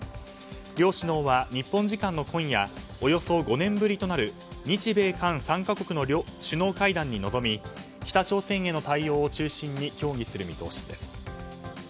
両首脳は日本時間の今夜およそ５年ぶりとなる日米韓３か国の首脳会談に臨み北朝鮮への対応を中心に協議する見通しです。